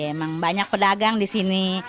emang banyak pedagang di sini